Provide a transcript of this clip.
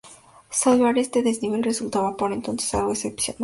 Salvar este desnivel resultaba, por entonces, algo excepcional.